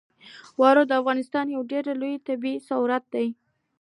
واوره د افغانستان یو ډېر لوی طبعي ثروت دی.